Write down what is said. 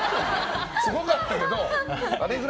すごかったけど。